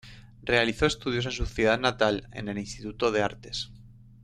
Realizó estudios en su ciudad natal en el Instituto de Artes.